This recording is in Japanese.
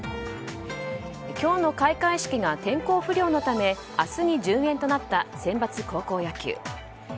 今日の開会式が天候不良のため明日に順延となったセンバツ高校野球。